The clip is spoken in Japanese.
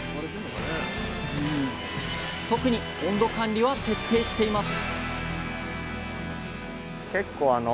特に温度管理は徹底しています